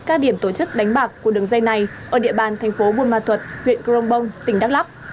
các điểm tổ chức đánh bạc của đường dây này ở địa bàn thành phố buôn ma thuật huyện cường bông tỉnh đắk lắk